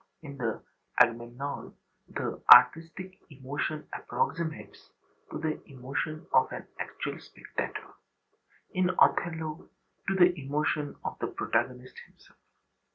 In the Agamemnon, the artistic emotion approximates to the emotion of an actual spectator; in Othello to the emotion of the protagonist himself.